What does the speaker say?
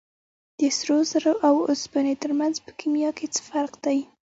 د سرو زرو او اوسپنې ترمنځ په کیمیا کې څه فرق دی